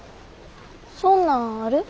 そんなんある？